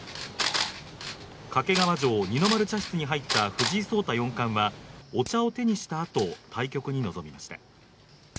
掛川城二の丸茶室に入った藤井聡太四冠はお茶を手にしたあと対局に臨みました。